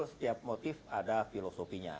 maksudnya motif ada filosofinya